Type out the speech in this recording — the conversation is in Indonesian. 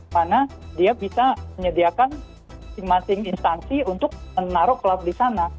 karena dia bisa menyediakan masing masing instansi untuk menaruh cloud di sana